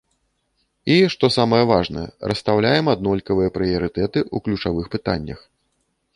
І, што самае важнае, расстаўляем аднолькавыя прыярытэты ў ключавых пытаннях.